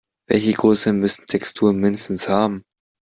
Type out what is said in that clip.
Welche Größe müssen Texturen mindestens haben?